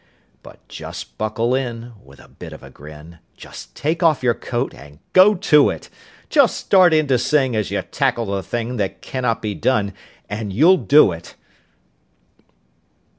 But just buckle in with a bit of a grin, Just take off your coat and go to it; Just start in to sing as you tackle the thing That "cannot be done," and you'll do it.